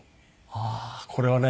ああーこれはね